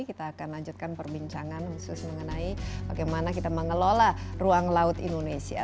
kita akan lanjutkan perbincangan khusus mengenai bagaimana kita mengelola ruang laut indonesia